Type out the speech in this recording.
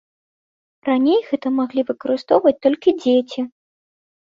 Раней гэта маглі выкарыстоўваць толькі дзеці.